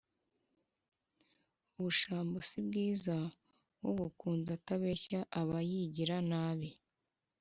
Ubusambo si bwiza Ubukunze atabeshya Aba yigira nabi.”